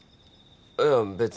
いや別に。